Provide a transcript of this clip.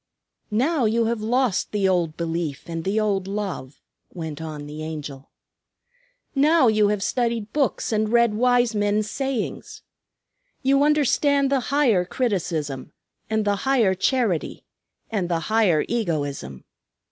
"Now you have lost the old belief and the old love," went on the Angel. "Now you have studied books and read wise men's sayings. You understand the higher criticism, and the higher charity, and the higher egoism.